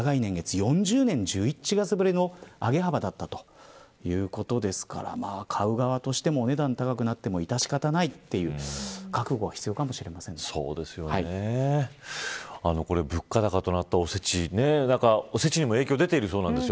４０年１１カ月ぶりの上げ幅だったということですから買う側としてはお値段が高くなっても致し方ないという覚悟は物価高となったおせちおせちにも影響が出ているそうなんですよ。